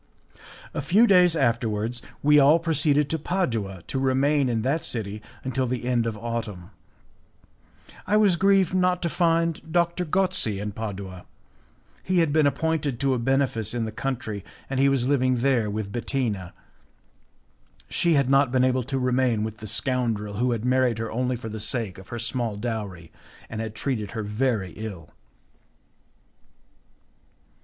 A few days afterwards we all proceeded to Padua to remain in that city until the end of autumn. I was grieved not to find Doctor Gozzi in Padua; he had been appointed to a benefice in the country, and he was living there with Bettina; she had not been able to remain with the scoundrel who had married her only for the sake of her small dowry, and had treated her very ill.